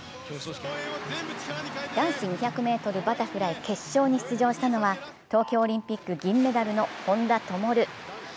男子２００ｍバタフライ決勝に出場したのは東京オリンピック銀メダルの本多灯。